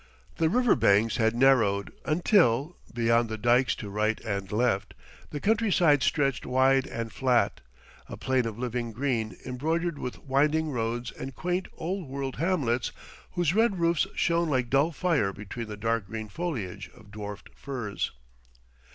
The river banks had narrowed until, beyond the dikes to right and left, the country side stretched wide and flat, a plain of living green embroidered with winding roads and quaint Old World hamlets whose red roofs shone like dull fire between the dark green foliage of dwarfed firs.